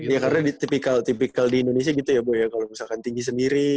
ya karena di tipikal tipikal di indonesia gitu ya bu ya kalau misalkan tinggi sendiri